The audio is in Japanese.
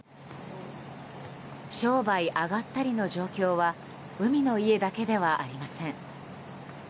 商売あがったりの状況は海の家だけではありません。